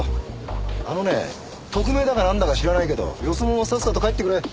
あのね特命だかなんだか知らないけどよそ者はさっさと帰ってくれ。